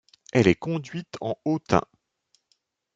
Elle est conduite en hautain.